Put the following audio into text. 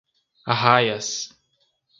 Arraias